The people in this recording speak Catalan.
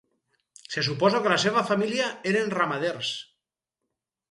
Se suposa que la seva família eren ramaders.